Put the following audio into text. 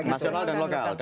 nasional dan lokal